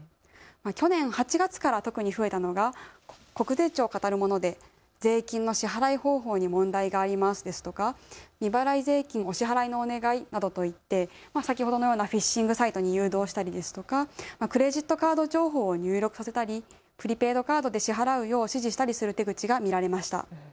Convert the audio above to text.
去年８月から特に増えたのが国税庁をかたるもので税金の支払い方法に問題がありますですとか未払い税金お支払いのお願いなどと言って先ほどのようなフィッシングサイトに誘導したりですとかクレジットカード情報を入力させたり、プリペイドカードで支払うよう指示したりする手口が見られました。